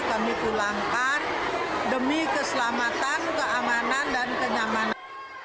kami pulangkan demi keselamatan keamanan dan kenyamanan